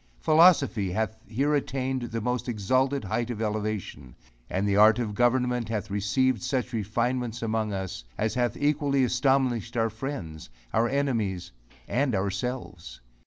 Philosophy hath here attained the most exalted height of elevation; and the art of government hath received such refinements among us, as hath equally astonished our friends, our enemies and ourselves.